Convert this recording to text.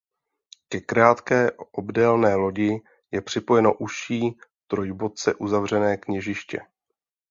Ke krátké obdélné lodi je připojeno užší trojboce uzavřené kněžiště.